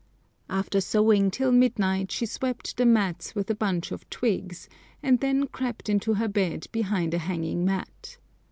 After sewing till midnight she swept the mats with a bunch of twigs, and then crept into her bed behind a hanging mat.